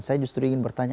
saya justru ingin bertanya